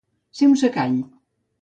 Ser un secall.